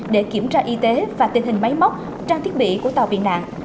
để kiểm tra y tế và tình hình máy móc trang thiết bị của tàu bị nạn